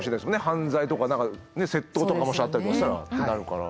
犯罪とか何か窃盗とかもしあったりとかしたらってなるから。